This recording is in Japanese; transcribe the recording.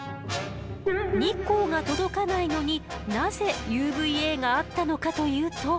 日光が届かないのになぜＵＶーＡがあったのかというと。